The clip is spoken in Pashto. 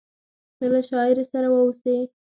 ته له شاعري سره واوسې…